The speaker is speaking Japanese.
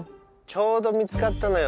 ちょうど見つかったのよ。